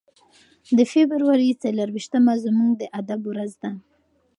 د فبرورۍ څلور ویشتمه زموږ د ادب ورځ ده.